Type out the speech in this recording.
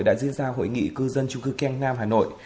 đã diễn ra hội nghị cư dân trung cư ken nam hà nội